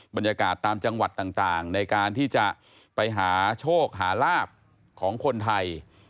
บรรยากาศตามจังหวัดต่างในการที่จะไปหาโชคหาลาบของคนไทย